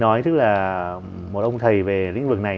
nói tức là một ông thầy về lĩnh vực này